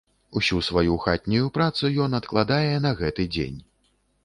Усю сваю хатнюю працу ён адкладае на гэты дзень.